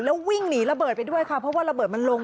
แล้ววิ่งหนีระเบิดไปด้วยค่ะเพราะว่าระเบิดมันลง